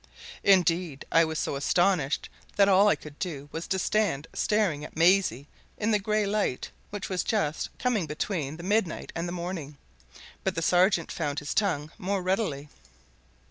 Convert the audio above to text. Indeed, I was so astonished that all I could do was to stand staring at Maisie in the grey light which was just coming between the midnight and the morning. But the sergeant found his tongue more readily.